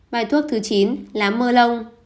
bài thuốc thứ chín lá mơ lông